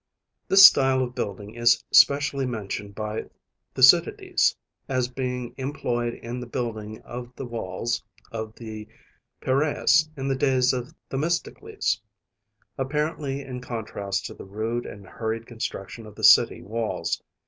This style of building is specially mentioned by Thucydides (I. 93) as being employed in the building of the walls of the Peiræus in the days of Themistocles, apparently in contrast to the rude and hurried construction of the city walls.